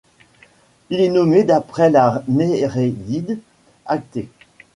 Il est nommé d'après la Néréide Actée.